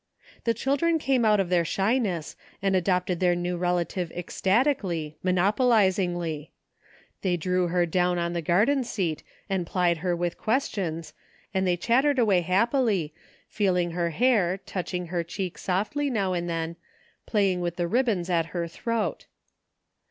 The children came out of their shyness and adopted their new relative ecstatically, moiiopolizingly. TJiey drew her down on the garden seat and plied her with questions, and they chattered away happily, feeling her hair, touching her cheek softly now and then, playing with the ribbons at her throat.